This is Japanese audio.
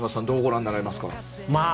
どうご覧になられますか？